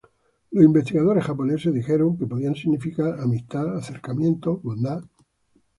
Los investigadores japoneses dijeron que podía significar amistad, acercamiento, bondad.